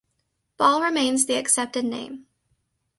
Ball remains the accepted name.